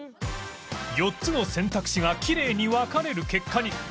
４つの選択肢がきれいに分かれる結果に